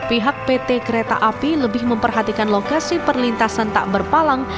pihak pt kereta api lebih memperhatikan lokasi perlintasan tak berpalang